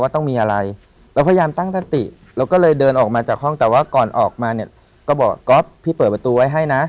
ที่นี่ต้องเปิดประตูไว้ให้นะ